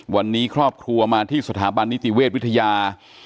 วันนี้ครอบครัวมาที่สถาบันนิติเวชวิทยา